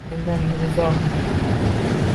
Mendan rizo